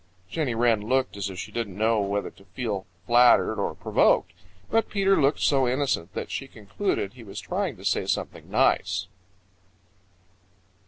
Jenny Wren looked as if she didn't know whether to feel flattered or provoked. But Peter looked so innocent that she concluded he was trying to say something nice.